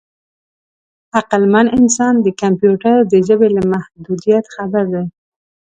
عقلمن انسان د کمپیوټر د ژبې له محدودیت خبر دی.